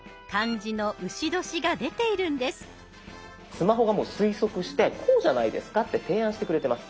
スマホがもう推測してこうじゃないですかって提案してくれてます。